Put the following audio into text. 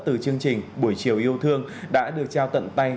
từ chương trình buổi chiều yêu thương đã được trao tận tay